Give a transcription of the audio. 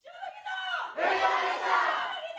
jangan lupa kita